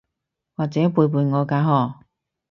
或者背叛我㗎嗬？